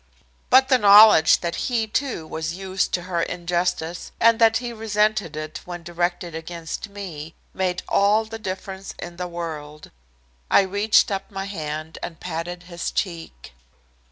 But the knowledge that he, too, was used to her injustice and that he resented it when directed against me made all the difference in the world. I reached up my hand and patted his cheek.